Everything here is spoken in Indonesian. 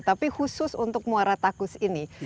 tapi khusus untuk muara takus ini